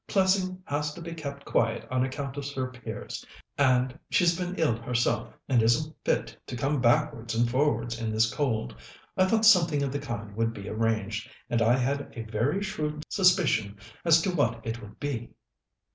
Plessing has to be kept quiet on account of Sir Piers; and she's been ill herself, and isn't fit to come backwards and forwards in this cold. I thought something of the kind would be arranged, and I had a very shrewd suspicion as to what it would be."